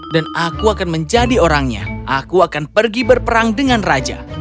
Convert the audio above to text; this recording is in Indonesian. dan aku akan menjadi orangnya aku akan pergi berperang dengan raja